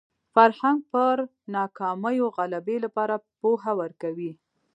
فرهنګ پر ناکامیو غلبې لپاره پوهه ورکوي